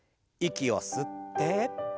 息を吸って。